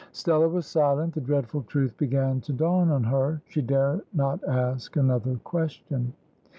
Stella was silent. The dreadful truth began to dawn on her. She dare not ask another question.